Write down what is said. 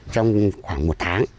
trong khoảng một tháng